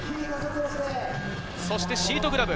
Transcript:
そしてシートグラブ。